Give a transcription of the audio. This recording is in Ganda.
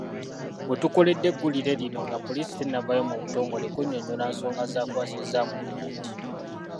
We tukoledde eggulire lino nga poliisi tennavaayo mu butongole kunnyonnyola nsonga zaakwasizza Amuriat.